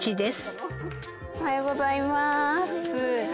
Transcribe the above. おはようございます。